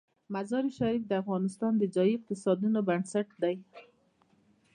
مزارشریف د افغانستان د ځایي اقتصادونو بنسټ دی.